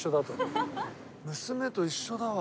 娘と一緒だわ。